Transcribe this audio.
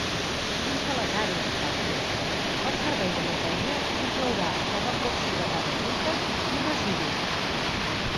Dins de les àrees d'alt risc, el servei de neteja inclourà l'evacuació de roba bruta i residus.